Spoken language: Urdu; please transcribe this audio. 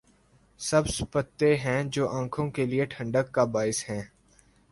سبز پتے ہیں جو آنکھوں کے لیے ٹھنڈک کا باعث ہیں۔